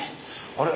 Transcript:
あれ？